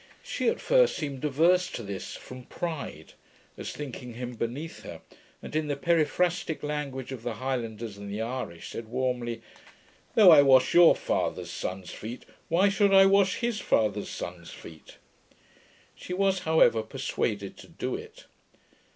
She at first seemed averse to this, from pride, as thinking him beneath her, and in the periphrastick language of the highlanders and the Irish, said warmly, 'Though I wash your father's son's feet, why should I wash his father's son's feet?' She was however persuaded to do it.